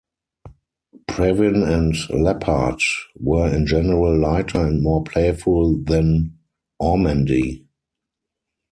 Previn and Leppard were in general lighter and more playful than Ormandy.